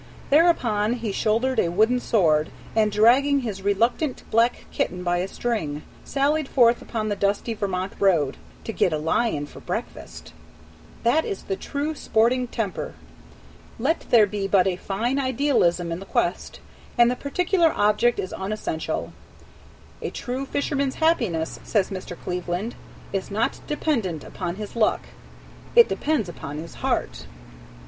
Thereupon he shouldered a wooden sword, and dragging his reluctant black kitten by a string, sallied forth upon the dusty Vermont road "to get a lion for breakfast." That is the true sporting temper! Let there be but a fine idealism in the quest, and the particular object is unessential. "A true fisherman's happiness," says Mr. Cleveland, "is not dependent upon his luck." It depends upon his heart.